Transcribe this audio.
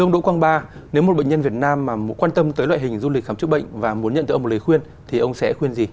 nếu một bệnh nhân việt nam quan tâm tới loại hình du lịch khám chữa bệnh và muốn nhận tựa một lời khuyên thì ông sẽ khuyên gì